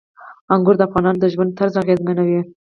انګور د افغانانو د ژوند طرز اغېزمنوي.